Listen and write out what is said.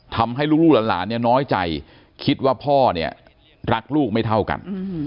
ทำให้ลูกหลานเนี่ยน้อยใจคิดว่าพ่อเนี่ยรักลูกไม่เท่ากัน